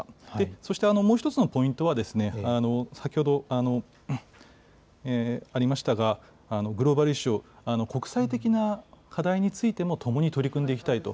そしてもう１つのポイントは、先ほどありましたが、グローバルイシューを、国際的な課題についても共に取り組んでいきたいと。